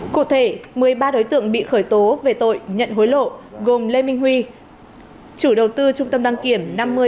cụ thể một mươi ba đối tượng bị khởi tố về tội nhận hối lộ gồm lê minh huy chủ đầu tư trung tâm đăng kiểm năm mươi